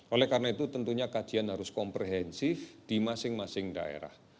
oleh karena itu tentunya kajian harus komprehensif di masing masing daerah